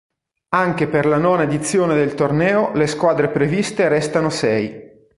Anche per la nona edizione del torneo le squadre previste restano sei.